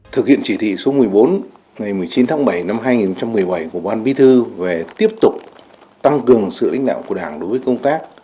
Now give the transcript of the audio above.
thực hiện chỉ thị số một mươi bốn ngày một mươi chín tháng bảy năm hai nghìn một mươi bảy của ban bí thư về tiếp tục tăng cường sự lãnh đạo của đảng đối với công tác